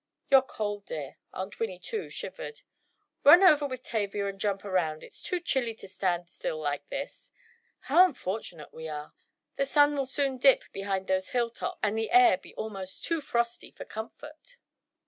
"You're cold, dear." Aunt Winnie, too, shivered. "Run over with Tavia and jump around, it's too chilly to stand still like this. How unfortunate we are! The sun will soon dip behind those hilltops, and the air be almost too frosty for comfort."